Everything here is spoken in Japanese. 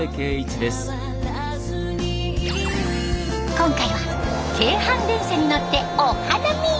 今回は京阪電車に乗ってお花見。